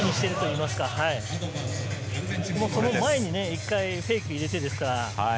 その前に１回、フェイクを入れてですから。